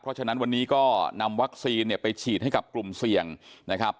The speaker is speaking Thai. เพราะฉะนั้นวันนี้ก็นำวัคซีนเนี่ยไปฉีดให้กับกลุ่มเสี่ยงนะครับ